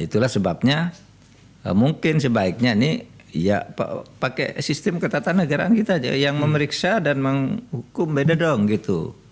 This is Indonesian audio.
itulah sebabnya mungkin sebaiknya ini ya pakai sistem ketatanegaraan kita aja yang memeriksa dan menghukum beda dong gitu